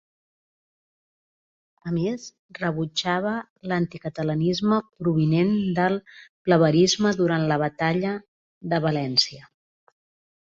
A més, rebutjava l'anticatalanisme provinent del blaverisme durant la Batalla de València.